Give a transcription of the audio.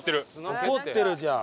怒ってるじゃん。